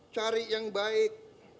cari yang baik